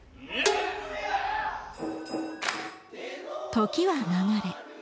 時は流れ